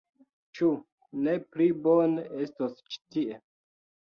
Ĉu ne pli bone estos ĉi tie.